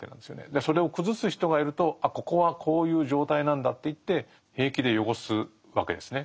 でそれを崩す人がいると「あここはこういう状態なんだ」っていって平気で汚すわけですね。